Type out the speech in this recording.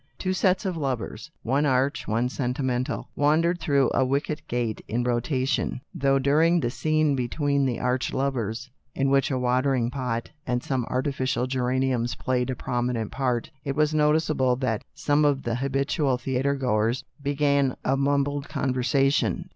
Two sets of lovers, one arch, one sen timental, wandered through a wicket gate in rotation, though during the scene between the arch lovers— in which a watering pot and some artificial geraniums played a prominent part — it was noticeable that some of the 208 THE STORY OF A MODERN WOMAN. habitual theatre goes began a mumbled con versation.